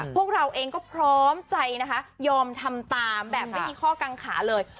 พวกเราเองก็พร้อมใจนะคะยอมทำตามแบบไม่มีข้อกังขาเลย